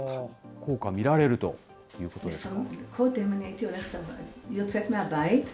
効果、見られるということですか。